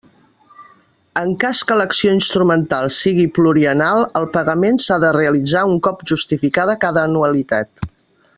En cas que l'acció instrumental sigui pluriennal, el pagament s'ha de realitzar un cop justificada cada anualitat.